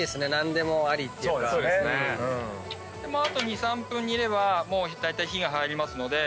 もうあと２３分煮ればだいたい火が入りますので。